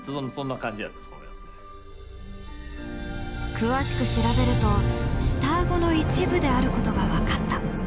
詳しく調べると下あごの一部であることが分かった。